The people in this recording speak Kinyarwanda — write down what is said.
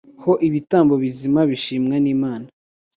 ho ibitambo bizima bishimwa n’Imana